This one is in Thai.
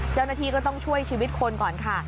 เจ้าหน้าที่ก็ต้องช่วยชีวิตคนก่อนค่ะ